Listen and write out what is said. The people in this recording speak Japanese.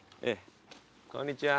こんにちは。